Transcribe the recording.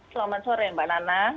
selamat sore mbak nana